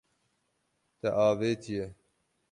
Te avêtiye.